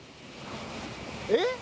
えっ？